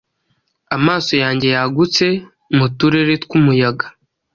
Amaso yanjye yagutse Mu turere twumuyaga,